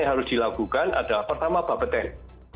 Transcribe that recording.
yang harus dilakukan adalah pertama bapak peten